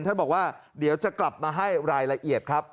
ท่านบอกว่าเดี๋ยวจะกลับมาให้รายละเอียดครับ